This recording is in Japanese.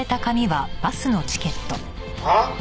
あっ！